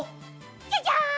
じゃじゃん！